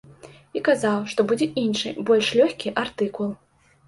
І казаў, што будзе іншы, больш лёгкі артыкул.